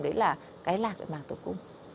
đấy là cái lạc để bằng tử cung